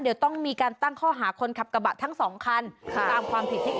เดี๋ยวต้องมีการตั้งข้อหาคนขับกระบะทั้งสองคันตามความผิดที่